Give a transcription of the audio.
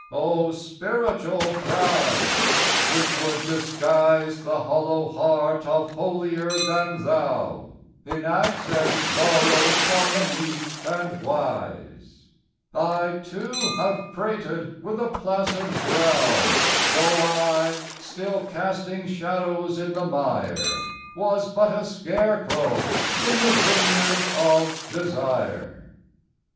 O, spiritual pride! which would disguise 76 The hollow heart of Holier than thou In accents borrowed from the meek and wise, I, too, have prated with a placid brow, Though I, still casting shadows in the mire, Was but a scarecrow in the vineyard of desire.